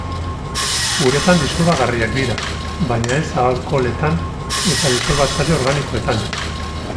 Uretan disolbagarriak dira, baina ez alkoholetan eta disolbatzaile organikoetan.